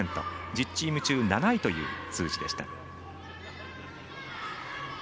１０チーム中７位という数字でした。